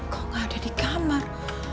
kok gak ada di kamar